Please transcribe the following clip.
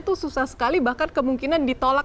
itu susah sekali bahkan kemungkinan ditolak